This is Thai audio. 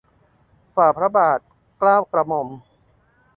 ฝ่าพระบาท เกล้ากระหม่อม